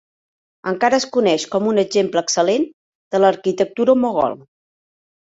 Encara es coneix com un exemple excel·lent de l'arquitectura mogol.